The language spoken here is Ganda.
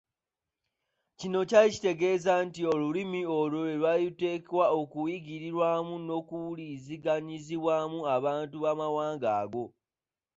Kino kyali kitegeeza nti olulimi olwo lwe lwali luteekwa okuyigirwamu n’okuwuliziganyizibwamu abantu b’Amawanga ago.